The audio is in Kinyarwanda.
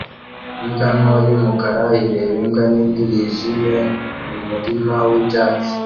Imbwa nto y'umukara ireba imbwa nini yijimye mu murima wibyatsi